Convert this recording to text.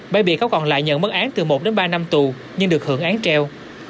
bài bị cáo còn lại nhận mất án từ một đến ba năm tù nhưng được hưởng án treo